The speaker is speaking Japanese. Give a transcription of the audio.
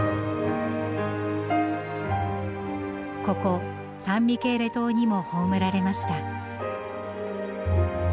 ここサン・ミケーレ島にも葬られました。